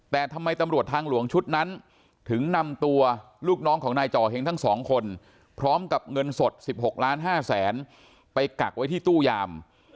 แต่ทำไมตำรวจทางหลวงชุดนั้นถึงนำตัวลูกน้องของนายจ่อเห็งทั้งสองคนพร้อมกับเงินสด๑๖ล้าน๕แสนไปกักไว้ที่ตู้ยาม